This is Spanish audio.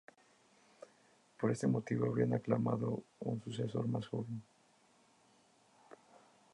Por este motivo, habrían aclamado a un sucesor más joven.